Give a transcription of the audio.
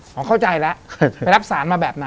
อเจมส์อ๋อเข้าใจแล้วไปรับศาลมาแบบนั้น